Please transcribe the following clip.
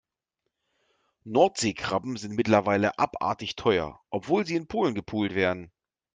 Nordseekrabben sind mittlerweile abartig teuer, obwohl sie in Polen gepult werden.